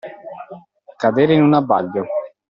Cadere in un abbaglio.